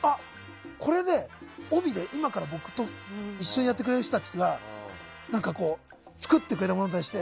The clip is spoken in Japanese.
これ、帯で今から一緒にやってくれる人たちが作ってくれたものに対して